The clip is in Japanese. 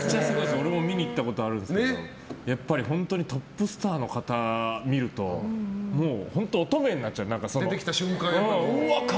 俺も見に行ったことあるんですけどやっぱり本当にトップスターの方を見るともう乙女になっちゃう。